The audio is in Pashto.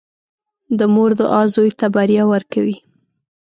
• د مور دعا زوی ته بریا ورکوي.